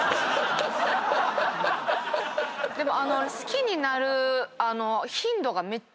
でも。